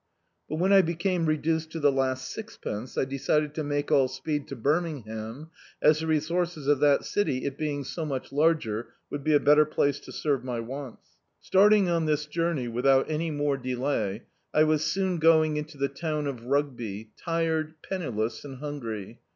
But when I became reduced to the last sixpence, I decided to make all speed to Birmingham, as the resources of that city, it being so much la^r, would be a better place to serve my wants. Starting on this journey, without any more delay, I was soon going into the town of Rugby, tired, penniless, and hungry.